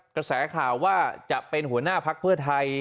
กระแสข่าวว่าจะเป็นหัวหน้าพักเพื่อไทย